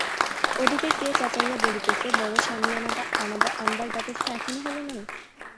ওদিকে কে চেঁচাইয়া বলিতেছে-বড় সামিয়ানাটা আনবার ব্যবস্থা এখনও হল না?